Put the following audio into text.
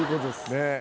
「ねえ」